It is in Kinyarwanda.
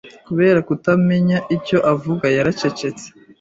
Kubera kutamenya icyo avuga, yaracecetse.